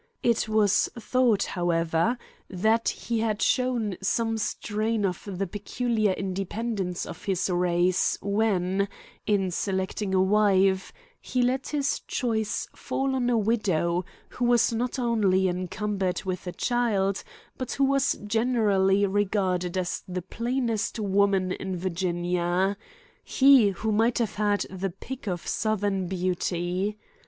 It was thought, however, that he had shown some strain of the peculiar independence of his race when, in selecting a wife, he let his choice fall on a widow who was not only encumbered with a child, but who was generally regarded as the plainest woman in Virginia—he who might have had the pick of Southern beauty.